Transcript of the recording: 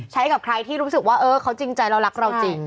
ใช้กับใครที่รู้สึกว่าเธอจริงรักเราจริง